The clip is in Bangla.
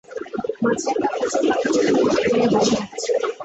মাঝে একটা কচুর পাতা চোখের মতো করিয়া বসানো আছে।